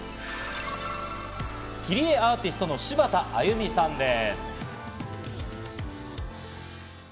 切り絵アーティストの柴田あゆみさんです。